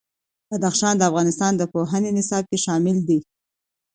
بدخشان د افغانستان د پوهنې نصاب کې شامل دي.